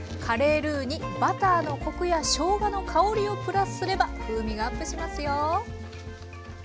カレールーにバターのコクやしょうがの香りをプラスすれば風味がアップしますよ。